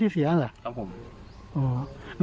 ครับ